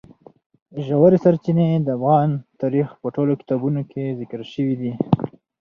ژورې سرچینې د افغان تاریخ په ټولو کتابونو کې ذکر شوي دي.